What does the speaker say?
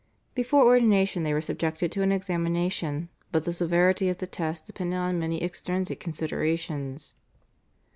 Before ordination they were subjected to an examination, but the severity of the test depended on many extrinsic considerations.